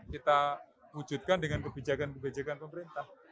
kita wujudkan dengan kebijakan kebijakan pemerintah